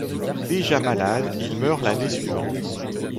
Déjà malade, il meurt l'année suivante.